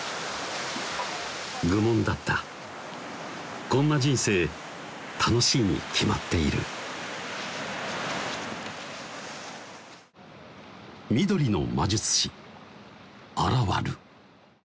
愚問だったこんな人生楽しいに決まっている緑の魔術師現る